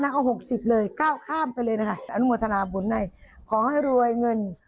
ขอให้รวยเงิน